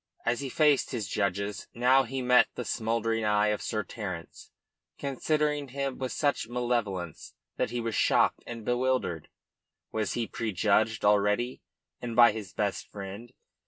As he faced his, judges now he met the smouldering eyes of Sir Terence considering him with such malevolence that he was shocked and bewildered. Was he prejudged already, and by his best friend?